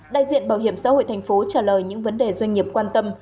đại diện bảo hiểm xã hội thành phố trả lời những vấn đề doanh nghiệp quan tâm